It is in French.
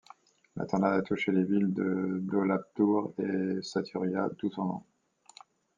La tornade a touché les villes de Daulatpur et Saturia, d'où son nom.